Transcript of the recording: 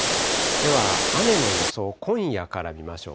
では雨の予想、今夜から見ましょう。